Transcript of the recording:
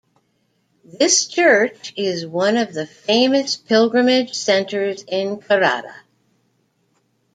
This church is one of the famous pilgrimage centers in Kerala.